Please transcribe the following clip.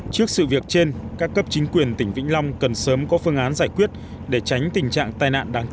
trước sự việc trên các cấp chính quyền tỉnh vĩnh long cần sớm có phương án giải quyết để tránh tình trạng tai nạn đáng tiếc